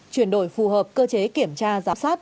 chuyển đổi phù hợp cơ chế kiểm tra giám sát